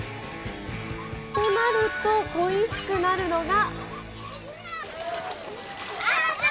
となると、恋しくなるのが。